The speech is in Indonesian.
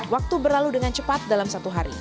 waktu berlalu dengan cepat dalam satu hari